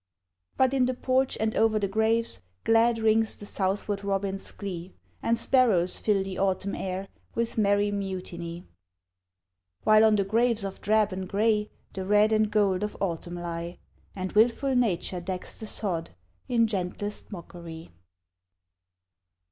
But in the porch and o'er the graves, Glad rings the southward robin's glee, And sparrows fill the autumn air With merry mutiny; While on the graves of drab and gray The red and gold of autumn lie, And wilful Nature decks the sod In gentlest mockery.